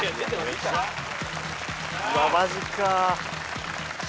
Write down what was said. うわマジか。